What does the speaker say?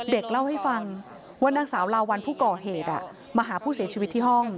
เล่าให้ฟังว่านางสาวลาวัลผู้ก่อเหตุมาหาผู้เสียชีวิตที่ห้อง